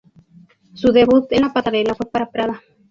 Su debut en la pasarela fue para Prada.